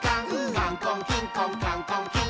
「カンコンキンコンカンコンキン！」